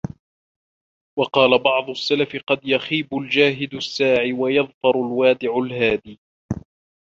وَقَالَ بَعْضُ السَّلَفِ قَدْ يَخِيبُ الْجَاهِدُ السَّاعِي ، وَيَظْفَرُ الْوَادِعُ الْهَادِي